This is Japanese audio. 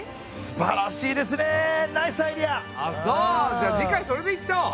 じゃあ次回それでいっちゃおう！